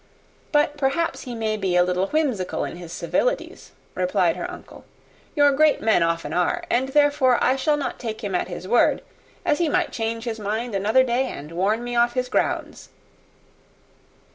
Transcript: "But perhaps he may be a little whimsical in his civilities," replied her uncle. "Your great men often are; and therefore I shall not take him at his word about fishing, as he might change his mind another day, and warn me off his grounds."